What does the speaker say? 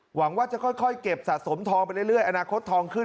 หวังว่าจะค่อยเก็บสะสมทองไปเรื่อยอนาคตทองขึ้น